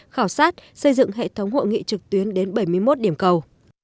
khảo sát xây dựng hệ thống hội nghị trực tuyến đến bảy mươi một điểm cầu